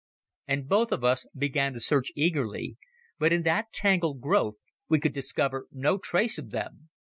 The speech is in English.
And both of us began to search eagerly, but in that tangled growth we could discover no trace of them.